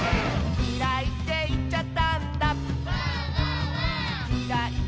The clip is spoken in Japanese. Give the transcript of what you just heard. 「きらいっていっちゃったんだ」